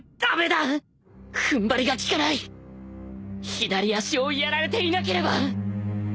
左足をやられていなければ！